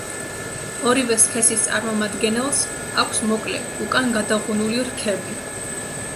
ორივე სქესის წარმომადგენელს აქვს მოკლე, უკან გადაღუნული რქები.